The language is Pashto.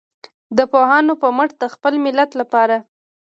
د پوهانو په مټ د خپل ملت لپاره.